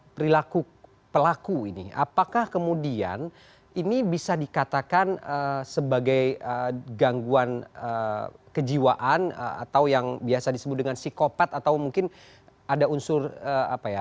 perilaku pelaku ini apakah kemudian ini bisa dikatakan sebagai gangguan kejiwaan atau yang biasa disebut dengan psikopat atau mungkin ada unsur apa ya